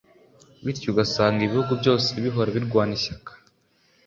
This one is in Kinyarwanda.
bityo ugasanga ibihugu byose bihora birwana ishyaka